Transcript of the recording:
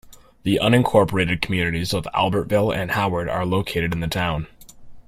The unincorporated communities of Albertville and Howard are located in the town.